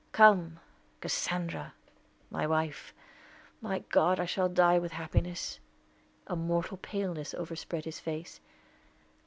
Come, Cassandra, my wife! My God, I shall die with happiness." A mortal paleness overspread his face.